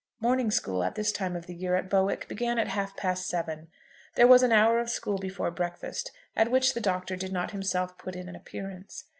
Morning school at this time of the year at Bowick began at half past seven. There was an hour of school before breakfast, at which the Doctor did not himself put in an appearance.